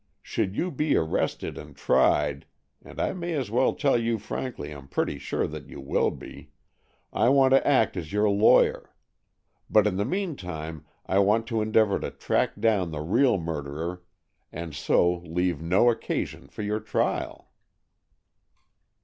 Should you be arrested and tried—and I may as well tell you frankly I'm pretty sure that you will be—I want to act as your lawyer. But in the meantime I want to endeavor to track down the real murderer and so leave no occasion for your trial."